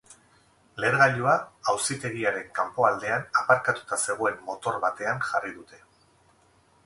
Lehergailua auzitegiaren kanpoaldean aparkatuta zegoen motor batean jarri dute.